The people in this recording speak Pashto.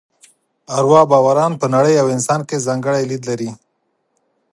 اروا باوران په نړۍ او انسان کې ځانګړی لید لري.